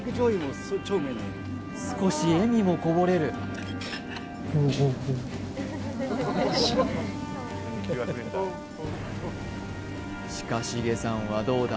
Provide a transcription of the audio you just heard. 少し笑みもこぼれる近重さんはどうだ？